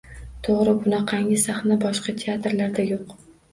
— To‘g‘ri, bunaqangi sahna boshqa teatrlarda yo‘q.